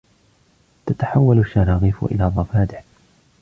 تتحول الشراغيف إلى ضفادع.